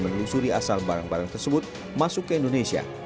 yang lusuri asal barang barang tersebut masuk ke indonesia